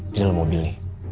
di dalam mobil nih